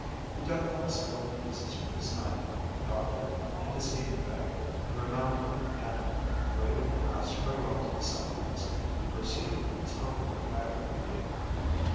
He dug out several pieces with his knife, dropped them in his game bag, and, remounting and waving a last farewell to the Seminoles, he proceeded on his homeward way.